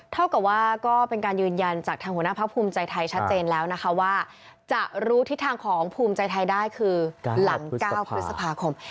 เท่ากับว่าก็เป็นการยืนยันจากทางหัวหน้าพักภูมิใจไทยชัดเจนแล้วนะคะว่าจะรู้ทิศทางของภูมิใจไทยได้คือหลัง๙พฤษภาคม